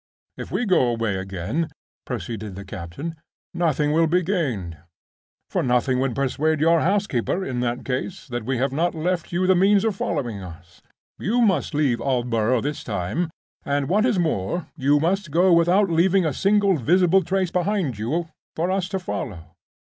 "If we go away again," proceeded the captain, "nothing will be gained, for nothing would persuade your housekeeper, in that case, that we have not left you the means of following us. You must leave Aldborough this time; and, what is more, you must go without leaving a single visible trace behind you for us to follow.